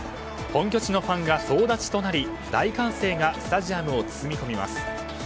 本拠地のファンが総立ちとなり大歓声がスタジアムを包み込みます。